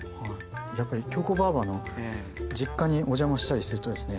やっぱりきょうこばぁばの実家にお邪魔したりするとですね